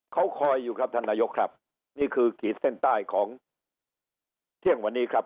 เขาคอยอยู่ครับท่านนายกครับนี่คือขีดเส้นใต้ของเที่ยงวันนี้ครับ